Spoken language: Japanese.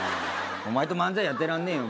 お前と漫才やってらんねえよ。